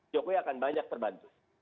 jokowi akan banyak terbantu